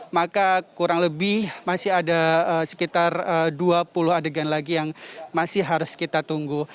maka kurang lebih masih ada sekitar dua puluh adegan lagi yang masih harus kita tunggu